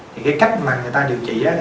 thì cái cách mà người ta điều trị á